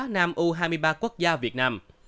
nam u hai mươi ba quốc gia việt nam